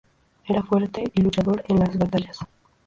Era fuerte y luchador en las batallas.